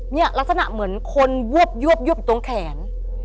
เนี่ยลักษณะเหมือนคนวบอยู่ตรงแขน